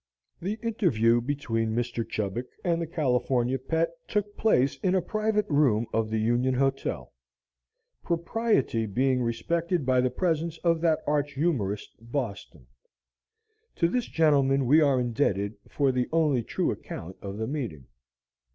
The interview between Mr. Chubbuck and the "California Pet" took place in a private room of the Union Hotel; propriety being respected by the presence of that arch humorist, "Boston." To this gentleman we are indebted for the only true account of the meeting.